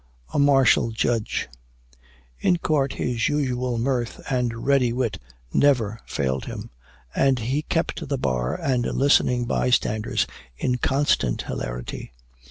A MARTIAL JUDGE. In Court his usual mirth and ready wit never failed him; and he kept the bar and listening by standers in constant hilarity.